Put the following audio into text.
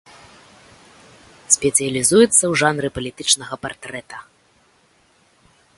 Спецыялізуецца ў жанры палітычнага партрэта.